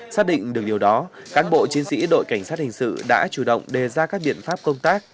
xác định được điều đó cán bộ chiến sĩ đội cảnh sát hình sự đã chủ động đề ra các biện pháp công tác